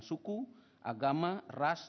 suku agama ras